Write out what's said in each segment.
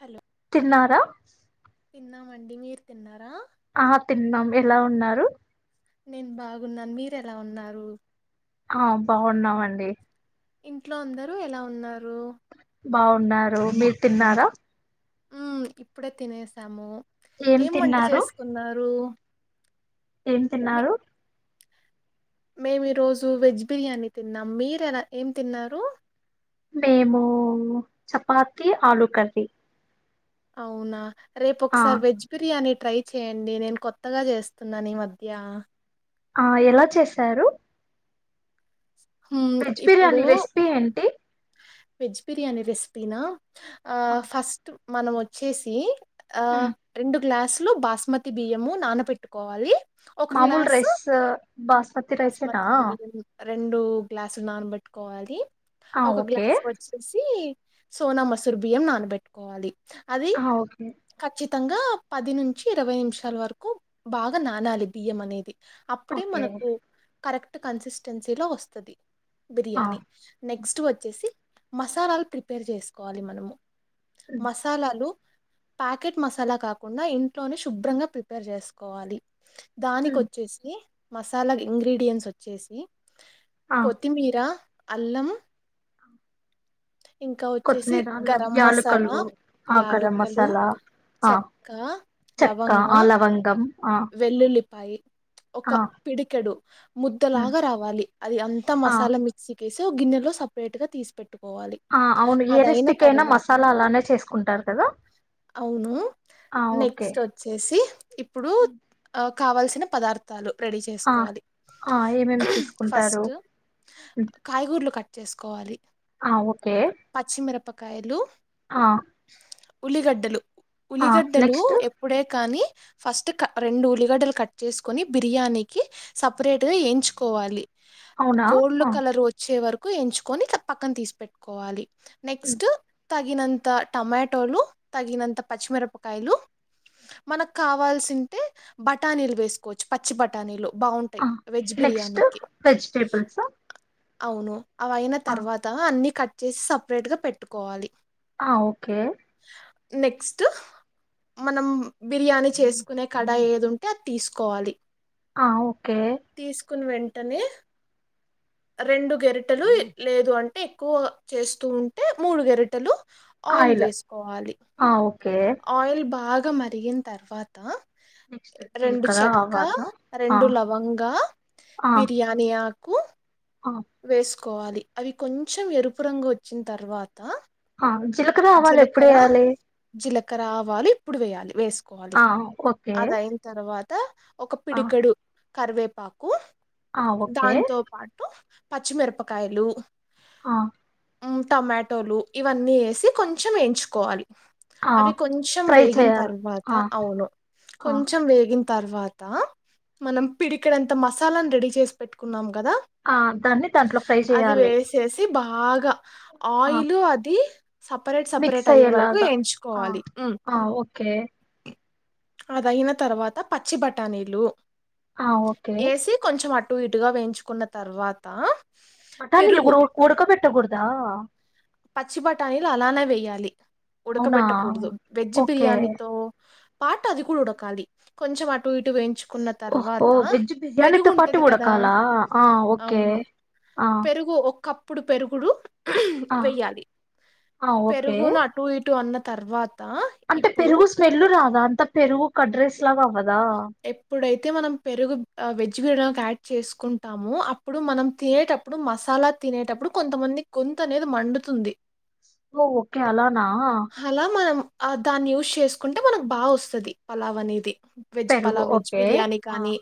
Hello తిన్నారా తిన్నామండి మీరు తిన్నారా ఆ తిన్నాం ఎలా ఉన్నారు నేను బాగున్నాను మీరు ఎలా ఉన్నారు ఆ బాగున్నామండి ఇంట్లో అందరుూ ఎలా ఉన్నారు బాగున్నారు మీరు తిన్నారా ఇప్పుడే తినేసాము ఏం వంట చేసుకున్నారు ఏం మీ తిన్నారు మేము ఈరోజు వెజ్ బిర్యానీ తిన్నాం మీరలా ఏం తిన్నారు మేము చపాతి ఆలూ కర్రీ అవునా రేపు ఆ ఒకసారి వెజ్ బిర్యానీ ట్రై చేయండి నేను కొత్తగా చేస్తున్నాను ఈ మధ్య ఆ ఎలా చేసారు మ్మ్ వెజ్ బిర్యానీ ఇప్పుడు రెసిపీ ఏంటి వెజ్ బియాణి రెసిపీనా ఫస్ట్ మనం వచ్చేసి ఆ ఉమ్, రెండు గ్లాస్ లో బాస్మతి బియ్యము నానబెట్టుకోవాలి ఒక మామూలు గ్లాసు రైస్ బాస్మతి రైస్ తొట అం ఇప్పుడు గ్లాసు నానబెట్టుకోవాలి ఆ ఒక ఓకే గ్లాస్ వచ్చేసి ని సోనా మసూర్ బియ్యం నానబెట్టుకోవాలి అది ఆ ఓకే ఖచ్చిత్ మొత్తంగా పది నుంచి ఇరవై నిమిషాల వరకు బాగా నానాలి బియ్యం అనేది అప్పుడే ఓకే మనకు కరెక్ట్ కన్సిస్టెన్సీలో వస్ స్తాది ఆ బిర్యానీ నెక్స్ట్ వచ్చేసి మసాలాలు ప్రిపేర్ చేసుకోవాలి మనము ఉమ్, మసాలాలు ప్యాకెట్ మసాలా కాకుండా ఇంట్లోనే శుభ్రంగా ప్రిపేర్ చేసుకోవాలి ఉమ్, దానికిొచ్చేసి మసాలా ఇంగ్రీడియంట్స్ వచ్చేసి ఆ కొత్తిమీరా అల్లం ఇంకా వచ్చేసి కొత్తిమీర అల్లం గరం మసాలా, యాలుకలు ఆకరం యాలుక్కలు, మసాలా ఆ చెక్క, చెక్క ఆ లవంగం ఆ వెల్లుల్లి పాయి ఒక ఆ పిడికెడు హ్మ్ ముద్దలాగా రావాలి అది అంతా ఆ మసాలా మిర్చి కేసు గన్నెలో సపరేట్గా తీసి పెట్ టుకోవాలి ఆ అవును ఏ అదయిన రెసిపీకైనా తర్వాత మసాలా అలానే చేసుకుంటారు కదా అవును ఆ ఓకే నెక్స్ట్ వచ్చేసి ఇప్పుడు. హ్మ్. కావల్సిన పదార్థాలు. రెడీ ఆ చేసుకోవాలి ఆ ఏమేమి తీసుకుంటారు ఫస్ట్ హ్మ్. కాయగూరలు కట్ చేసుకోవాలి. ఆ ఓకే. కైలు. ఆ ఉల్లిగడ్డలు. ఆ ఉలిగడ్డలు నెక్స్ట్ ఎప్పుడే కాని. ఫస్ట్ క. రెండు ఉల్లిగడ్డలు కట్ చేసుకొని బిర్యానీకి సపరేట్గా ఎంచుకోవాలి. అవునా గోల్డ్ ఆ కలర్ వచ్చే వరక్ కు ఎంచుకొని ఇట్లా పక్కన తీసి పెట్టుకోవాలి. హ్మ్. నెక్స్ట్ తగినంత టమాటోలు తగినంత పచ్చిమిరపకాయలు మనకు కావాల్సి తే బటానీలు వేసుకోవచ్చు పచ్చి బటానీలు. ఆ నెక్స్ట్ వెజిటేబల్స్. అవును. అవయిన తర్వాత అన్ని కట్. చేసి సపరేట్ గా పెట్టుకోవాలి. ఆ ఓకే. నెక్స్ట్ మనం బిర్యానీ చేస్. కునే కడాయి ఏది ఉంటే అది తీసుకోవాలి. ఆ ఓకే. కుని వెంటనే. రెండు గెరిటెలు లేదు అంటే ఎక్కువ చేస్తూ ఉంటే మూడు గెరిటెలు. ఆయిల్ వేసుకోవాలి ఆ ఓకే ఆయిల్ బాగ. బాగ మరిగిన తర్వాత. నెక్స్ట్ రెండు జీలకర్ర చెక్క ఆవాలు ఆ రెండు లవంగా ఆ బిర్యాని ఆ. కు. ఆ వేస్క్. కోవాలి అవి కొంచెం ఎరుపురంగు వచ్చిన తర్వాత. అ. జిలకర్ర ఆవాలు ఎప్పుడు జీలకర్ర ఎయ్యాలి. జీలకర్ర ఆవాలు ఇప్పుడు వెయ్యాలి వేసు కోవాలి ఓకే అది అయిన తర్వా త ఒక ఆ పిడుకడు కరివేపాకు ఆ ఓకే దాంతో పాటు పచ్చిమిరపకాయలు ఆ టమాటోలు ఇవన్నీ ఎసి కొంచెం వేయించుకోవాలి ఆ అవి కొంచెం ఫ్రై వేగిన చేయాలి తర్వాత ఆ అవును ఆ కొంచెం వేగి తర్వాత మనం పిడికడంత మసాలాను రెడీ చేసి పెట్టుకున్నాం కదా ఆ దాన్ని దాంట్లో ఫ్రై అది చేయ్యాలి వేసేసి బాగా ఆయిలు అది సపరేట్ మిక్స్ సపరేట్ అయ్యే వరకు అయ్యేలాగా ఆ ఎయించుకోవాలి. ఉ ఆ ఓకే అదయిన తర్వాత పచ్చి బటానీలు ఆ ఓకే ఏసి కొంచెం అట్ అటు ఇటుగా వేయించుకున్న తర్వాత మఠాన్లు పెరుగు ఉడుక పెట్టకూడదా పచ్చి బఠానీలు అలానే వేయ్యాలి. అవునా ఉడుకబెట్టకూడదు వెజ్ ఓకే బిర్యానీతో పాట అది కూడా ఉడకాలి కొంచెం ట్ అటు ఇటు వేయించుకున్న ఓహో తర్వాత వెజ్ పెరుగు బిర్యానీతో పాటు ఉంటది కదా ఉడకాలా ఆ ఓకే అవును ఆ పెరుగు ఒక ఇప్పుడు పెరుగుడు ఆ వెయ్యాలి ఆ ఓకే పెరుగును అటు ఇటు అన్నత్ తర్వాత్ అంటే పెరుగు స్మెల్లు రాదు అంత పెరుగు కడ్రెస్ ఎప్పుడైతే మనం పెరుగు బాగ వెజ్ మంచ డనికి యాడ్ చేసుకుంటామో, అప్పుడు మనం తినేటప్పుడు, మసాలా తినేటప్పుడు, కొంతమంది గొంతు అనేది మండుతుంది. ఓ ఓకే అలానా అలా మనం ఆ దాన్ని యూజ్ చేసుకుంటే మనకు బాగ వస్తది. పలావ్ అనేది వెజ్ పెరుగు పలావ్ వెజ్ ఓకే బిర్యానీ ఆ కానీ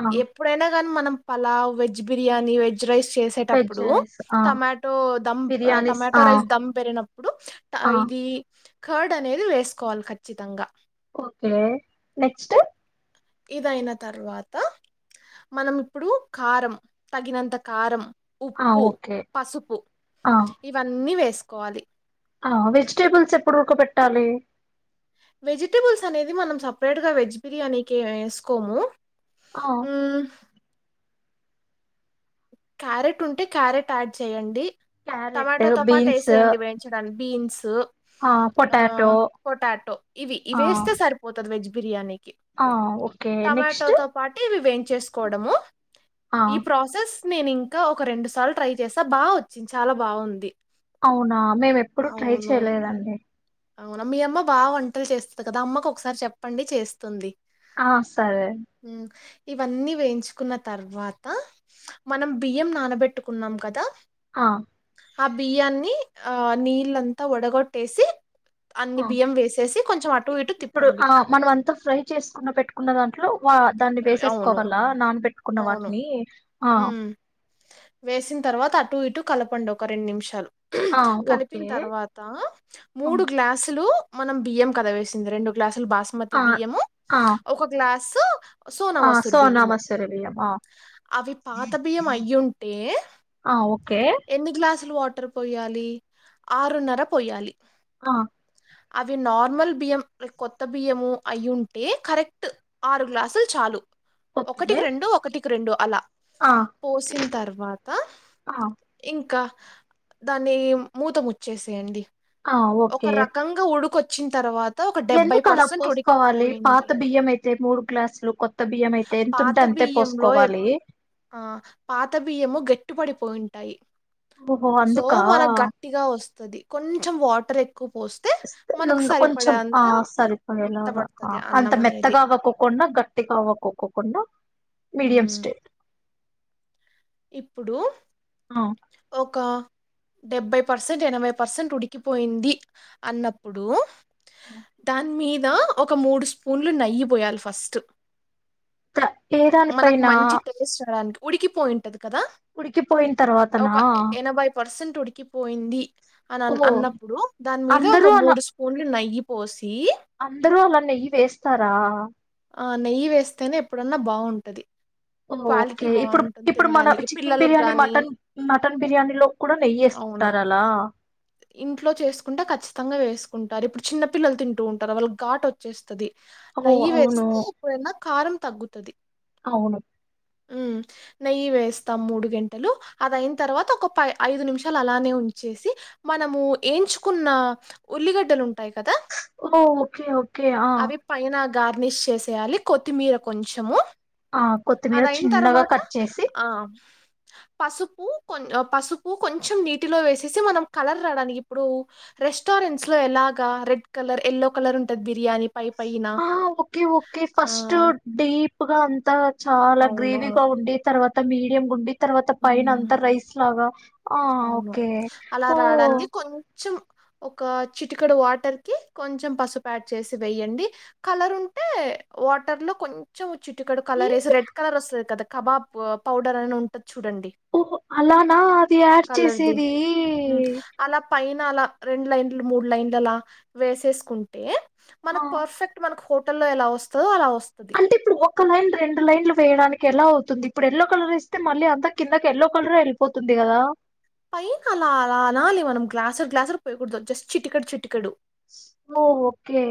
ఆ ఎప్పుడైనా కాని మనం pulao, veg biryani, veg rice. Veg చేసేటప్పుడు రైస్ ఆ టోమాటో దం బిర్యానీస్ టమాటో ఆ రైస్ ధం పెరినప్పుడు ఆ ఇది కర్డ్ అనేది వేసుకోవాలి ఖచ్చితంగా ఓకే నెక్స్ట్ ఇదైన తర్వాత మనం ఇప్పుడు కారం తగినంత కారం ఆ ఉప్పు ఓకే పసుపు ఆ ఇవన్నీ వేస్ సుకోవాలి ఆ వెజిటేబుల్స్ ఎప్పుడు ఉడక పెట్టాలి వెజిటబుల్స్ అనేది మనం సపరేట్గా వెజ్ బిర్యానీకి వేసుకోము. ఆ మ్మ్, క్యారెట్ ఉంటే క్యారెట్ యాడ్ చేయండి. క్యారెట్ టమాటోతో పాటు బీన్స్ వేసేయండి వేయించడానికి బీన్స్ ఆ పొటాటో ఇవి ఆ ఇవేస్తే సరిపోతుంది వెజ్ బిర్ బిర్యానీి ఆ ఓకే టమాటో నెక్స్ట్ తో పాటు ఇవి వేయించేసుకోవడము ఆ ఈ ప్రాసెస్ నేను ఇంకా ఒక రెండు సార్లు ట్రై చేసా బాగా వచ్చింది చాలా బాగుంది అవునా మేము ఎప్పుడుూ ట్రై అవును చేయలేదండి అవునా మీ అమ్మ బాగా వంటలు చేస్తుంది కదా అమ్మకు ఒకసారి చెప్పండి చేస్తుంది ఆ సరే హ్మ్. ఇవన్నీ వేయించుకున్న తర్వాత మనం బియ్యం నానబెట్టుకున్నాం కదా ఆ ఆ బియ్యాన్ని ఆ నీళ్ళంతా ఒడగొట్టేసి ఆ ఇటు ఇప్పుడు తిప్పండి. ఆ మనం అంతా ఫ్రై చేసుకున్న పెట్టుకున్న దా లో వా దాన్ని ఆహ్, అవును. వేసేసుకోవాలా నానబెట్టుకున్న అవును. వాటిని ఆ టూ ఇటు కలపండి ఒక రెండు నిమిషాలు ఆ ఓకే కలిపిన తర్వాత మూడు గ్లాసులు మనం బి్య కదవేసింది రెండు గ్లాస్ అసలు బాస్మతి ఆ బియ్యము ఆ ఒక గ్లాస్ ఆ సోనవసురు సోనా బియ్యము మసూరి బియ్యం ఆ అవి పాత బియ్యం అయ్య ఉంటే ఆ ఓకే ఎన్ని గ్లాసులు వాటర్ పోయాలి ఆరున్నర పోయాలి ఆ అవి నార్మల్ బియ్యం ైక్ కొత్త బియ్యము అయి ఉంటే కరెక్ట్ ఆరు గ్లాసులు చాలు ఓకే ఒకటికి రెండు ఒకటికి రెండు అలా ఆ పోసిన తర్వాత ఆ ఇంకా దాన్ని మూతముచ్చేసేయండి ఆ ఓకే. ఒక రకంగా ఉడు వచ్చిన తర్వాత ఒక డెబ్బై ఎందుకు అలా పర్సెంట్ పోసుకోవాలి ఉడికిపోయింది పాత బియ్యం అయితే మూడు గ్లాసులు కొత్త బియ్యం అయితే ఎంత పాత ఉంటే అంతే బియ్యంలో ఎప్- పోసుకోవాలి పన్ డైలీ ఓహో అందుక కొంచెం వాటర్ ఎ ను కొంచెం ఆ సరిపోయిలాగా మెత్తబడతది అంత అన్నం అనేది. మెత్తగా అవ్వకోకుండా గట్టిగా అవ్వకక్కకుండా మీడియంమ్ హ్మ్. స్టేట్ ఇప్పుడు ఆ కా డెబ్బై పర్సెంట్ ఎనభై పర్సెంట్ ఉడికిపోయింది అన్నప్పుడు దాని మీద ఒక మూడు స్పూన్లు నెయ్యి పోయాలి ఫస్ట్ త ఏ మనకు దానిపైన మంచి టేస్ట్ చేవడానికి ఉడికిపోయింటది ఉడికిపోయిన తర్వాతనా తొడికి పోయింది ఓ అని అన్నప్పుడు దాని మీద ఒక మూడు స్పూన్లు నెయ్యి పోసి అందరు అలా నెయ్యి వేస్తారా నెయ్యి వేస్తేనే ఎప్పుడన్నా బాగుంటుంది ఓకే ఇప్పుడు ఇప్పుడు మన తినడానికి చికెన్ పిల్లలకి బిర్యానీ గానీ మటన్ మటన్ బిర్యానీ లో కూడా నెయ్యి అవును. వేసుకుంటారు అలా కుంటారు ఇప్పుడు చిన్న పిల్లలు తింటూ ఉంటారు వాళ్ళకి ఘట్ వచ్చేస్తుది ఓహో అవును ఏప్పుడైనా కారం తగ్గుతది అవును ఉమ్మ్ నెయ్యి వేస్తాం మూడు గంటెలు అది అయిన తర్వాత ఒక పై ఐదు నిమిషాలు అలానే ఉంచేసి మనము ఏంచుకున్న ఉల్లిగడ్డలు ఉం స్ ఓ ఓకే ఓకే ఆ అవి పైన గార్నిష్ చేసేయాలి కొత్తిమీర కొంచము ఆ కొత్తిమీర చిన్నగా కట్ చేసి ఆ! పసుపు కొం పసుపు కొంచెం నీటిలో వేసేసి మనం కలర్ రాడానికి ఇప్పుడు రెస్టారెంట్స్ లో ఎలాగా రెడ్ కలర్, ఎల్లో కలర్ ఉంటది బిర్యానీ పై పైనా ఆ ఓకే ఓకే ఫస్ట్ డీప్ గా అంతా చాలా అవును గ్రీవీగా ఉండి తర్వా త మీడియంగుండి తర్వాత పైన ఉమ్, అంతా రైస్ లాగా ఆ అవును ఓకే అలా ఓ రావడానికి కొంచెం ఒక చిటికడు వాటర్ కి కొంచెం పసుపు యాడ్ చేసి వేయడి కలర్ ఉంటే వాటర్ లో కొంచం చిటికడు కలర్ వేసి ఏంటి రెడ్ కలర్ వస్తుంది కదా కబాబ్ పౌడర్ అనే ఉంటది చూడండి ఓ అలానా అది వ కలర్ది చేసేది హ్మ్. అలా పైన అలా రెండు లైన్లు మూడు లైన్లు అలా వేసేసుకుంటే ఆ మనకు పర్ఫెక్ట్ మనకు హోటల్లో ఎలా వస్తుందో అలా వ్ అంటే ఇప్పుడు ఒక లైన్ రెండు లైన్లు వేయడాని ఎలా అవుతుంది ఇప్పుడు ఎల్లో కలర్ ఏస్తే మళ్ళీ అంతా కిందకి ఎల్లో కలర్ వెళ్ళిపోతుంది కదా పైన అలా అలా అనాలి మనం గ్లాసుర్ గ్లాసుర్ ప పోయకూడదు జస్ట్ చిట్టికడు చిట్టికడు ఓ ఓకే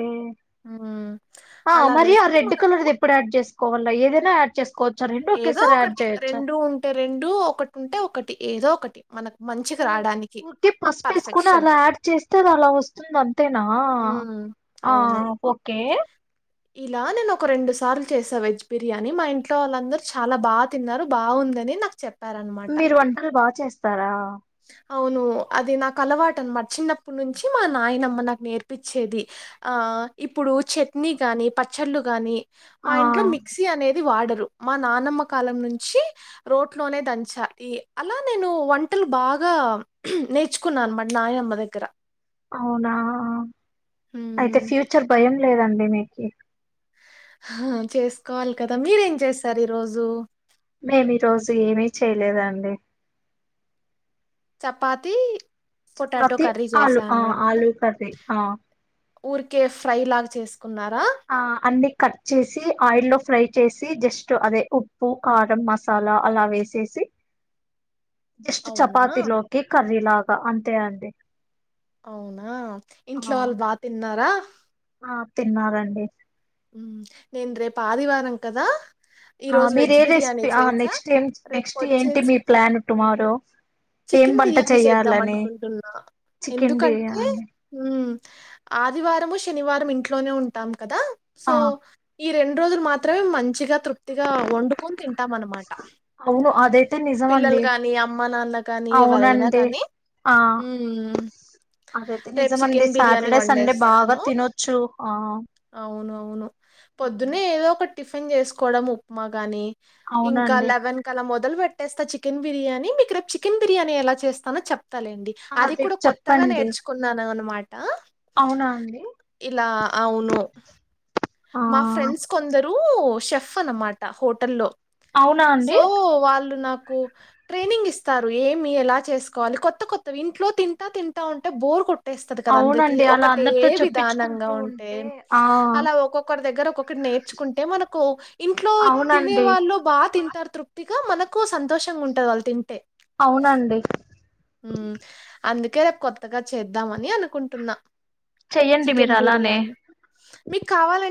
హ్మ్. ఆ అలా మరి వేస్తే రెడ్ ఆ మనకు కలర్ది ఎప్పుడు యాడ్ చేసుకోవాలి అలా ఏదైనా ఆడ్ చేస్ ఏదో ఒకటి రెండు ఉంటే రెండు ఒకటి ఉంటే ఒకటి ఏదో ఒకటి మనకు ఓ మంచిగా రాడానికి. ఉట్టి పసు వేసుకుని పర్ఫెక్షన్. అలా యాడ్ చేస్తే అది అలా వస్తుంది అంతేనా హ్మ్. ఆ అవును. ఓకే ఇలా నేను ఒక రెండు సార్లు చేసా వెజ్ బిర్యానీ మా ఇంట్లో వాళ్ళందరు చాలా బాగా తిన్నారు బాగుందని నాకు చెప్ మీరు వంటలు బా చేస్తారా అవును అది నాకు అలవాట అన్నమాట చిన్నప్పుడు నుంచి మా నాయనమ్మ నాకు నేర్పిచ్చేది ఆ ఇప్పుడు చట్నీ గాని పచ్చళ్ళు గాని మా ఆ ఇంట్లో మిక్సీ అనేది ది వాడరు మా నానమ్మ కాలం నుంచి రోట్ లోనే దంచ అలా నేను వం టలు బాగా నేర్చుకున్నా అనమాట నాయమ్మ దగ్గర అవునా ఆ అయితే హ్మ్. ఫ్యూచర్ భయం లేదండి మిర్చి ఆ చేసుకోవాలి కదా మీరేం చేస్తారు ఈ రోజు మేమి ఈ రోజు ఏమి చేయలేదండి చపాతి చపాతి ఆలు ఆ ఆలూ కర్రీ ఆ ఊరికే ఫ్రై లాగా చేసుకున్నారా ఆ అన్ని కట్ చేసి ఆయిల్లో ఫ్రై చేసి జస్ట్ అదే ఉప్పు కారం మసాలా అలా వేసేసి జస్ట్ అవునా? చపాతిలోకి కర్రీలాగ అ అంతే అంతే అవునా ఇంట్లో వాళ్ళు బా తిన్నారా ఆ తిన్నారండి ఉ నేను రేపు ఆదివారం కదా ఆ ఈరోజు మీర వెజ్ ఏ బిర్యానీ రెస్పి ఆ చేశా. నెక్స్ట్ ఏం నెక్స్ట్ ఏంటి రేపొచ్చేసి మీ ప్లాన్ టుమారో ఏం చికెన్ వంట బిర్యానీ చేద్దాం చెయ్యాలని అనుకుంటున్నా చికెన్ ఎందుకంటే బిర్యానీ ఊ ఆదివారము శనివారం ఇంట్లోనే ఉంటాం కదా ఆ సో ఈ రెండు రోజులు మాత్రమే మంచిగా తృప్తిగా వండుకొని తింటాం అన్నమాట అవును అదైతే పిల్లలు నిజమండి కానీ అమ్మ నాన్న కానీ ఎవరైనా అవునండి కానీ ఆ ఊ అదైతే రేపు నిజమండి చికెన్ బిర్యానీ సాటర్డే సండే బాగా వండేస్తాను తినొచ్చు ఆ అవును అవును పొద్దున్నె ఏదో ఒక [inaudible] టిఫిన్ చేసుకోవడం ఉప్మా గాని ఇంకా అవునండి లెవెన్ కలా మొదలు పెట్ ట్టేస్తా చికెన్ బిర్యానీ మీకు రేపు చికెన్ బిర్యానీ ఎలా చేస్తానో చప్ తా లేండి ఆ అది కూడా రేపు కొత్తగా చెప్పండి నేర్చుకున్నాను అనమా టా అవునా అండి ఇలా అవును ఆ మా ఫ్రెండ్స్ కొందరు షెఫ్ అన్నమాట హోటల్లో అవునా అండి సో వాళ్ళు నా కు ట్రైనింగ్ ఇస్తారు ఏమి ఎలా చేసుకోవాలి కొత్త కొత్తవి ఇంట్లో తింటా తింటా ఉంటే బోర్ కొడు ట్టేస్తుది కదా అందరికి అవునండి అలా ఒకటే అందరితో విధానంగా చెప్పించుకుంటూ ఉంటే ఆ అలా ఒకొక్ కరి దగ్గర ఒకటి నేర్చుకుంటే మనకు ఇంట్లో తినే అవునండి వాళ్ళు బా తింటారు తృప్తి గా మనకూ సంతోషంగుంటంది వాళ్ళు తింటే అవునండి హ్మ్. అందుకే రేపు కొత్తగా చేద్దామని అనుకుంటున్నా చెయ్యండి మీరు చికెన్ అలానే బిర్యానీ మీకు కావాలన్